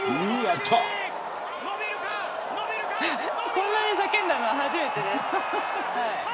こんなに叫んだのは初めてです。